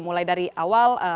mulai dari awal